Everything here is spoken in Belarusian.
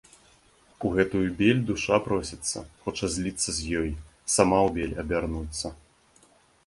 У гэтую бель душа просіцца, хоча зліцца з ёй, сама ў бель абярнуцца.